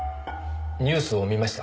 ニュースを見ました。